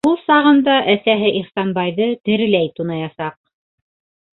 Ул сағында әсәһе Ихсанбайҙы тереләй тунаясаҡ.